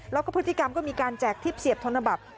แล้วก็พฤติกรรมก็มีการแจกทิพย์เสียบธนบัตร